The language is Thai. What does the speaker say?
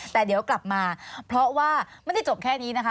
แต่เดี๋ยวกลับมาเพราะว่าไม่ได้จบแค่นี้นะคะ